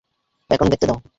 এখন দেখতে দাও।